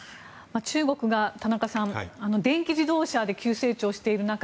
田中さん、中国が電気自動車で急成長している中